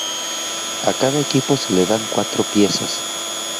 A cada equipo se le dan cuatro piezas.